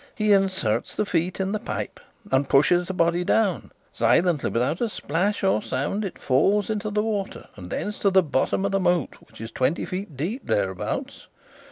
He inserts the feet in the pipe, and pushes the body down. Silently, without splash or sound, it falls into the water and thence to the bottom of the moat, which is twenty feet deep thereabouts.